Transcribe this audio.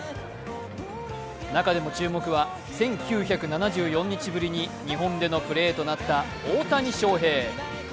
中でも注目は１９７４日ぶりに日本でのプレーとなった大谷翔平。